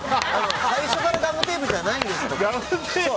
最初からガムテープじゃないんです。